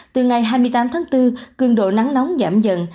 từ ngày hai mươi tám tháng bốn cường độ nắng nóng giảm dần